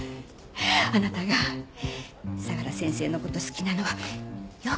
あなたが相良先生の事好きなのはよく知ってる。